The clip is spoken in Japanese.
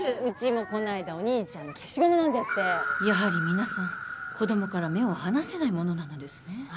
うちもこないだお兄ちゃんの消しゴム飲んじゃってやはり皆さん子供から目を離せないものなのですね